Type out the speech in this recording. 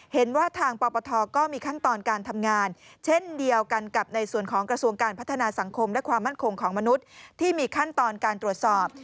เห็นว่าทางปปทก็มีขั้นตอนการทำงานเช่นเดียวกันกับในส่วนของกระทรวงการพัฒนาสังคมและความมั่นคงของมนุษย์ที่มีขั้นตอนการตรวจสอบ